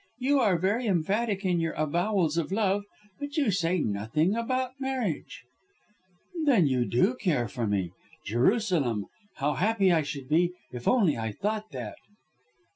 You are very emphatic in your avowals of love, but you say nothing about marriage." "Then you do care for me! Jerusalem! How happy I should be if only I thought that!"